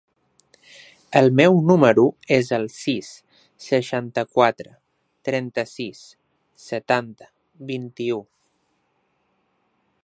El meu número es el sis, seixanta-quatre, trenta-sis, setanta, vint-i-u.